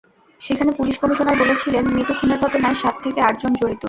সেখানে police commissioner বলেছিলেন, মিতু খুনের ঘটনায় সাত থেকে আটজন জড়িত।